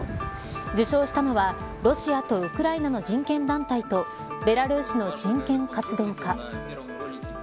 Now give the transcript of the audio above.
受賞したのは、ロシアとウクライナの人権団体とベラルーシの人権活動家。